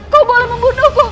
kau boleh membunuhku